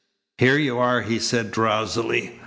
"Here you are," he said drowsily.